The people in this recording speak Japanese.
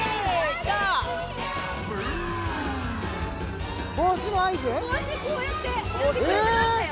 きた帽子こうやってやってくれてましたよ